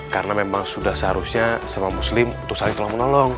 karena memang sudah seharusnya sama muslim untuk saling tolong menolong